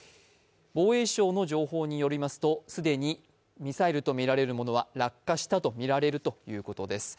防衛省の情報によりますと既にミサイルとみられるものは落下したとみられるということです。